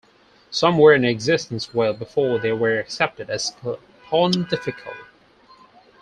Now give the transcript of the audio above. Some were in existence well before they were accepted as Pontifical.